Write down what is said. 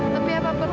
tapi apa perlu